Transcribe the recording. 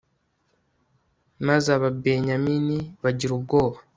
maze ababenyamini bagira ubwoba